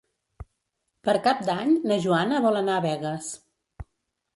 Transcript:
Per Cap d'Any na Joana vol anar a Begues.